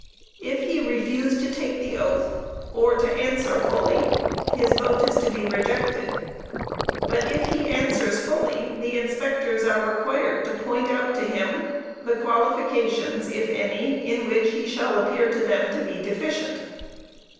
If he refuse to take the oath, or to answer fully, his vote is to be rejected; but if he answers fully, the inspectors are required to point out to him the qualifications, if any, in which he shall appear to them to be deficient.